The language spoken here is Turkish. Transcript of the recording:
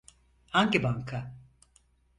Hangi banka?